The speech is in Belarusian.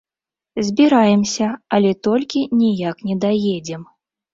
Збіраемся, але толькі ніяк не даедзем.